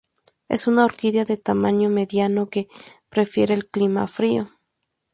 Es una orquídea de tamaño mediano que prefiere el clima frío.